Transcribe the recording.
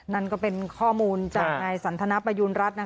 นั่นก็เป็นข้อมูลจากนายสันทนประยูณรัฐ